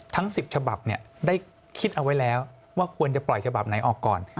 ทั้ง๑๐ฉบับได้คิดเอาไว้แล้วว่าควรจะปล่อยฉบับไหนออกก่อน